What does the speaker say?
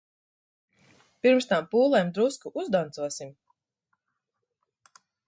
Pirms tām pūlēm drusku uzdancosim.